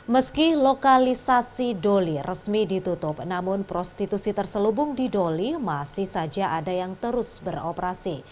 meski lokalisasi doli resmi ditutup namun prostitusi terselubung di doli masih saja ada yang terus beroperasi